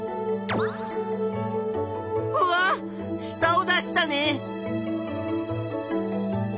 うわっしたを出したね！